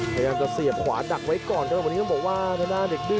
พยายามจะเสียบขวาดักไว้ก่อนครับวันนี้ต้องบอกว่าทางด้านเด็กดื้อ